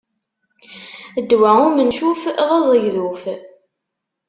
Ddwa umencuf, d azegḍuf.